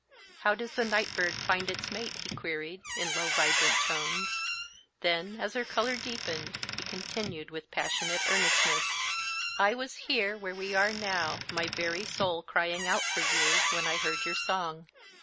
"How does the night bird find its mate?" he queried, in low, vibrant tones; then, as her color deepened, he continued, with passionate earnestness, "I was here, where we are now, my very soul crying out for you, when I heard your song.